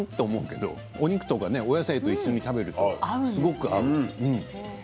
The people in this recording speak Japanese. けれどお肉とお野菜と一緒に食べるとすごく合う。